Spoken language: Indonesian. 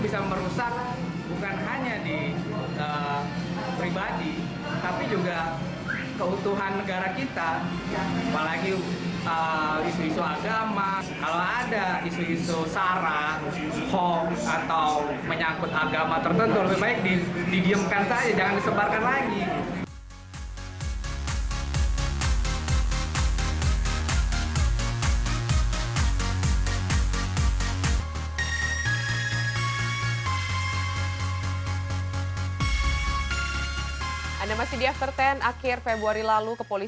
salah satu yang saya paling benci dari hoax ini